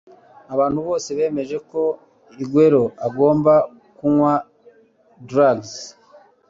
abantu bose bemeje ko igwelo agomba kunywa dregs